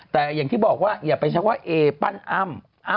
แต่อย่างที่บอกว่าอย่าไปชักว่าเอปั้นอ้ำ